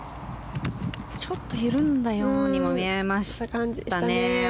ちょっと緩んだようにも見えましたね。